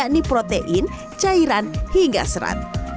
yakni protein cairan hingga serat